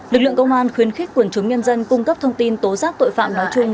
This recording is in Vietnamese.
lực lượng công an khuyến khích quần chúng nhân dân cung cấp thông tin tố giác tội phạm nói chung